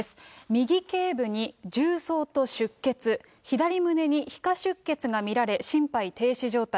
右けい部に銃創と出血、左胸に皮下出血が見られ、心肺停止状態。